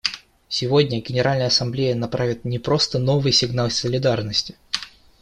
Сегодня Генеральная Ассамблея направит не просто новый сигнал солидарности.